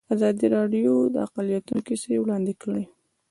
ازادي راډیو د اقلیتونه کیسې وړاندې کړي.